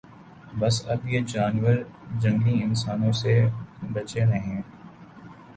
بس اب یہ جانور جنگلی انسانوں سے بچیں رھیں